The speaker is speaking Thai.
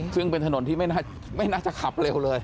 ซึ่งเป็นถนนที่ไม่น่าจะขับเร็วเลย